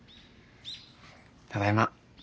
ただいま。